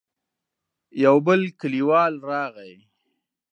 يو بل کليوال راغی.